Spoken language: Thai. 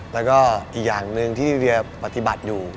แล้วก็อีกอย่างหนึ่งที่เวียปฏิบัติอยู่